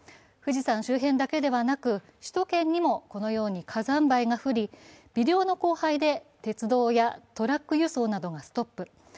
富士山周辺だけではなく、首都圏にも火山灰が降り、微量の降灰で鉄道やトラック輸送などがストップ。